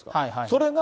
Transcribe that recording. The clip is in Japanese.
それが、